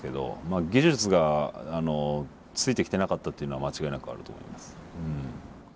あ技術がついてきてなかったっていうのは間違いなくあると思います。